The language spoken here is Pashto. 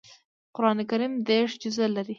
قران کریم دېرش جزء لري